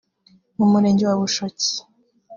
mu Murenge wa Bushoki